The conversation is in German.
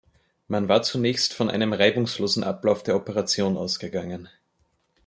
Man war zunächst von einem reibungslosen Ablauf der Operation ausgegangen.